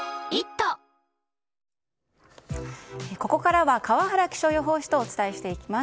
ここからは川原気象予報士とお伝えしていきます。